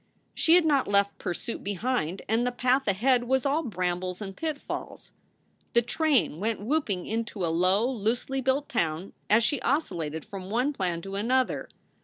She had not left pursuit behind, and the path ahead was all brambles and pitfalls. The train went whooping into a low, loosely built town as she oscillated from one plan to another.